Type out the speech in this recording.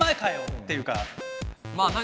っていうか。